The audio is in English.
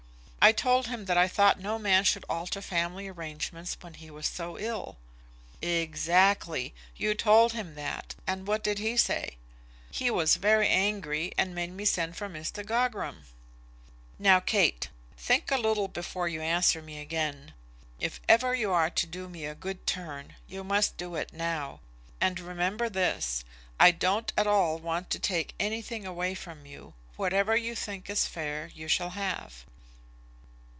"I told him that I thought no man should alter family arrangements when he was so ill." "Exactly. You told him that. And what did he say?" "He was very angry, and made me send for Mr. Gogram." "Now, Kate, think a little before you answer me again. If ever you are to do me a good turn, you must do it now. And remember this, I don't at all want to take anything away from you. Whatever you think is fair you shall have."